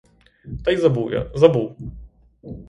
Та й забув я, забув.